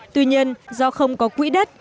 tuy nhiên do không có quỹ đất